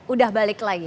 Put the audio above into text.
udah balik lagi